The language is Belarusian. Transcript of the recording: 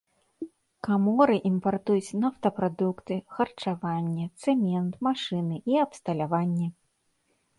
Каморы імпартуюць нафтапрадукты, харчаванне, цэмент, машыны і абсталяванне.